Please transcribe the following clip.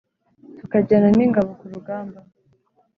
tukajyana n’ingabo ku rugamba